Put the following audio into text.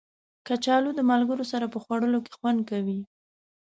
کچالو د ملګرو سره په خوړلو کې خوند کوي